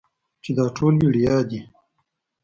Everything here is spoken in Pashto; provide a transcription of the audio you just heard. چې دا ټول وړيا دي.